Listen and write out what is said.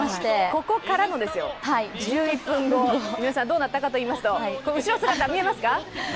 ここからのですよ、１１分後、皆さん、どうなったかといいますと、後ろ姿、見えますか？